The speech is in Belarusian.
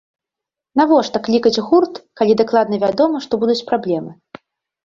Навошта клікаць гурт, калі дакладна вядома, што будуць праблемы?